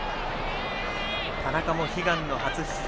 田中も悲願の初出場